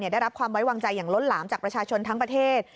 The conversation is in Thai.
ได้รับความไว้วางใจอย่างล้นหลามจากประชาชนทั้งประเทศ